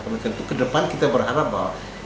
karena tentu ke depan kita berharap bahwa